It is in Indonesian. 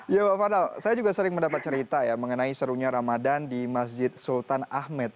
ya pak fadal saya juga sering mendapat cerita ya mengenai serunya ramadan di masjid sultan ahmed